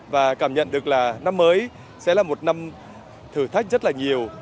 và cảm nhận được là năm mới sẽ là một năm thử thách rất là nhiều